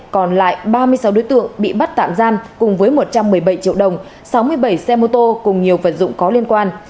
còn lại ba mươi sáu đối tượng bị bắt tạm giam cùng với một trăm một mươi bảy triệu đồng sáu mươi bảy xe mô tô cùng nhiều vật dụng có liên quan